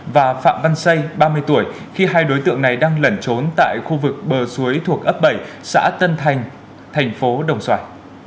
và phạm văn xây ba mươi tuổi khi hai đối tượng này đang lẩn trốn tại khu vực bờ suối thuộc ấp bảy xã tân thành thành phố đồng xoài